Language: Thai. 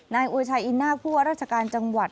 นายอวยชายอินนาคผู้ว่าราชการจังหวัด